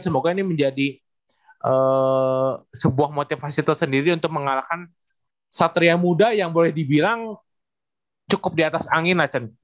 semoga ini menjadi sebuah motivasi tersendiri untuk mengalahkan satria muda yang boleh dibilang cukup di atas angin